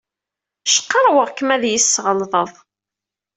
Cqarrweɣ-k m ad yi-tesɣelḍeḍ.